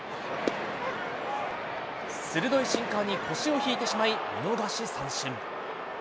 鋭いシンカーに腰を引いてしまい、見逃し三振。